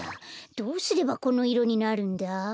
どうすればこのいろになるんだ？